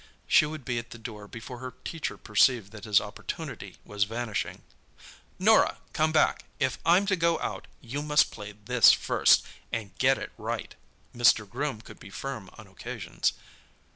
She would be at the door before her teacher perceived that his opportunity was vanishing. "Norah, come back! If I'm to go out, you must play this first—and get it right." Mr. Groom could be firm on occasions.